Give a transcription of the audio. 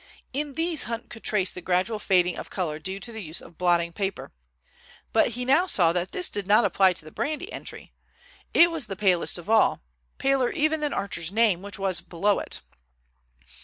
In these Hunt could trace the gradual fading of color due to the use of blotting paper. But he now saw that this did not apply to the brandy entry. It was the palest of all—paler even than Archer's name, which was below it.